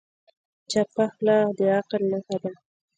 چپه خوله، د عقل نښه ده.